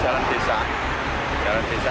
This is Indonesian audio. jalan alternatif kita gunakan jalan desa